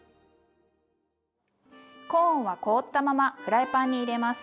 コーンは凍ったままフライパンに入れます。